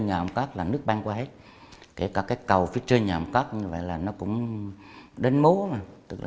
hai bác cứ mua đưa